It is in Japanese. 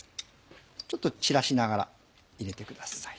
ちょっと散らしながら入れてください。